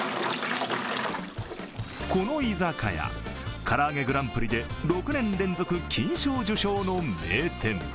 この居酒屋、からあげグランプリで６年連続金賞受賞の名店。